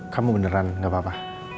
kamu beneran gak apa apa